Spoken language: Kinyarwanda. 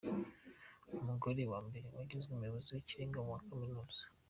Umugore wa mbere wagizwe umuyobozi w’ikirenga wa kaminuza.